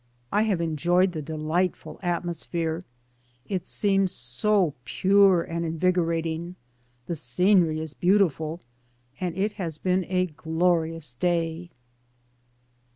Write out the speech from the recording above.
I have en joyed the delightful atmosphere — it seems so pure and invigorating; the scenery is beautiful, and it has been a glorious day.